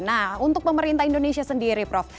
nah untuk pemerintah indonesia sendiri prof